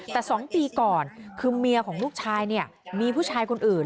แต่๒ปีก่อนคือเมียของลูกชายเนี่ยมีผู้ชายคนอื่น